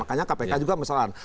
makanya kpk juga persoalan